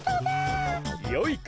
よいか！